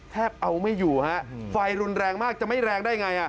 แทบเอาไม่อยู่ฮะไฟรุนแรงมากจะไม่แรงได้ไง